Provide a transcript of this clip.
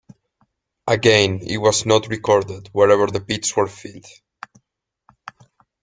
Again it was not recorded whether the pits were filled.